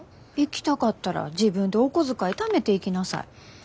行きたかったら自分でお小遣いためて行きなさい。